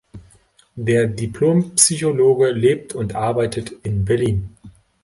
Der Diplom-Psychologe lebt und arbeitet in Berlin.